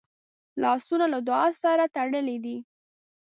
لاسونه له دعا سره تړلي دي